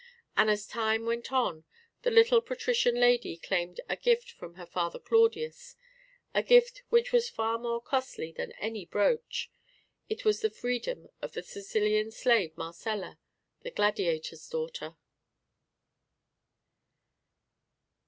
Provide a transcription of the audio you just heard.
And as time went on the little patrician lady claimed a gift from her father Claudius, a gift which was far more costly than any brooch it was the freedom of the Sicilian slave Marcella, the gladiator's daughter.